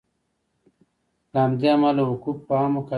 له همدې امله حقوق په عامو قاعدو بدلیږي.